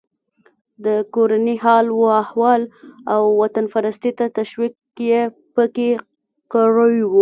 د کورني حال و احوال او وطنپرستۍ ته تشویق یې پکې کړی و.